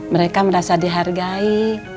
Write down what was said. mereka merasa dihargai